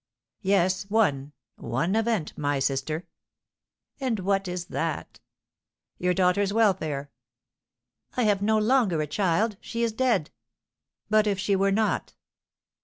"Yes, one one event, my sister." "And what is that?" "Your daughter's welfare." "I have no longer a child, she is dead!" "But if she were not?"